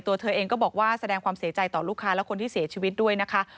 ตัวเธอเองก็บอกว่าแสดงความเสียใจต่อลูกค้าและคนที่เสียชีวิตด้วยนะคะ